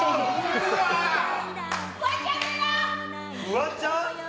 フワちゃんだよ！